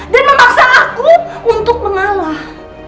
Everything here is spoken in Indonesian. dan memaksa aku untuk mengalah